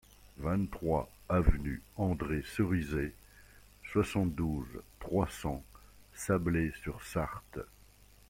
vingt-trois avenue André Cerisay, soixante-douze, trois cents, Sablé-sur-Sarthe